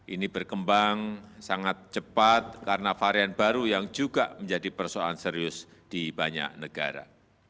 ini berkembang sangat cepat karena varian baru yang juga menjadi persoalan serius di banyak negara